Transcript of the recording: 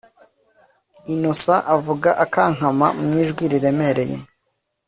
Innocent avuga akankama mwijwi riremereye